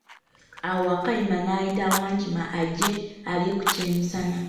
Awo Wakayima n'ayita Wankima naye ajje alye ku ky'emisana.